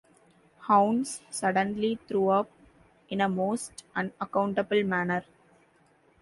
Hounds suddenly threw up in a most unaccountable manner.